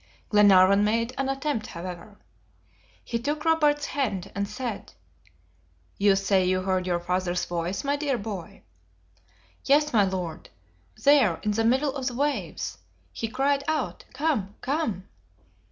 Glenarvan made an attempt, however. He took Robert's hand, and said, "You say you heard your father's voice, my dear boy?" "Yes, my Lord; there, in the middle of the waves. He cried out, 'Come! come!